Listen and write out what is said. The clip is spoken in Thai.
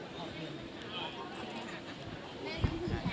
โสดแล้วค่ะ